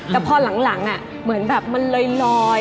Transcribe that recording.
แต่พอหลังเหมือนแบบมันลอย